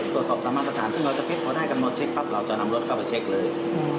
ตรวจสอบตามมาตรฐานที่เราจะเท็จพอได้กันเราจะนำรถเข้าไปเช็คเลย